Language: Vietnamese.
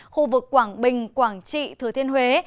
khu vực quảng bình quảng trị thừa thiên huế